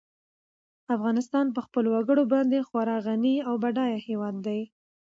افغانستان په خپلو وګړي باندې خورا غني او بډای هېواد دی.